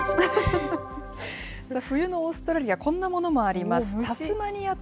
冬のオーストラリア、こんなものもあります。